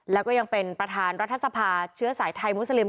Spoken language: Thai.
แล้วก็ยังเป็นประธานรัฐสภาเชื้อสายไทยมุสลิม